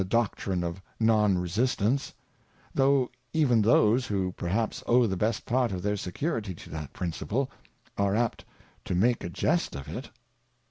Doctrine of Non Resistance; though even those who perhaps owe the best part of their Security to that Principle, are apt to make a Jest of it.